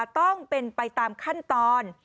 ต้องเป็นไปตามขั้นตอน